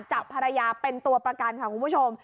จับภรรยาเป็นตัวประกันค่ะคุณผู้ชม